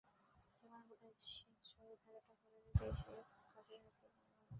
যেমন বলেছি, জয়ের ধারাটা ধরে রেখে এশিয়া কাপে যেতে চাই আমরা।